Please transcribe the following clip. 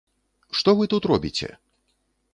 Што вы тут робіце?